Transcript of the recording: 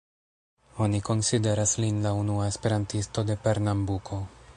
Oni konsideras lin la unua esperantisto de Pernambuko.